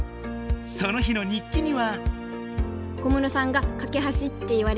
その日の日記には。